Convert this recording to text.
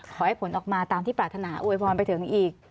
ขอให้ผลออกมาตามที่ปรารถนาอวยพรไปถึงอีก